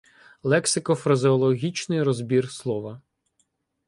Лексико - фразеологічний розбір слова